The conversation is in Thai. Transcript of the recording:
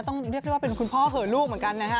เรียกได้ว่าเป็นคุณพ่อเหอะลูกเหมือนกันนะฮะ